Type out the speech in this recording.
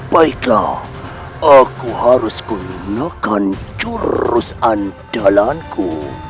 baiklah aku harus gunakan jurusan dalaanku